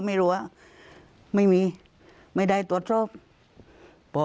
มันจะไม่มีไม่ได้ตัวสบ